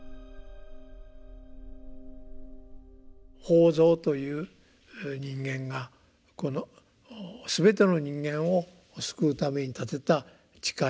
法蔵という人間が全ての人間を救うために立てた誓い。